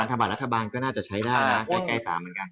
พันธบาลรัฐบาลก็น่าจะใช้ได้นะใกล้ตามเหมือนกัน